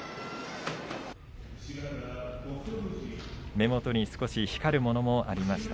目元に少し光るものもありました。